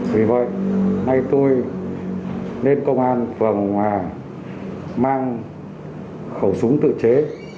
vì vậy nay tôi lên công an phòng mà mang khẩu súng tự chế